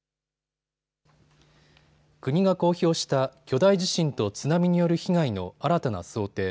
国が公表した巨大地震と津波による被害の新たな想定。